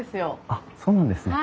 あっそうなんですね。